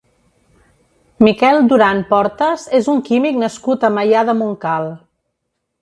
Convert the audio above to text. Miquel Duran Portas és un químic nascut a Maià de Montcal.